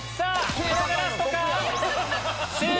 これがラストか？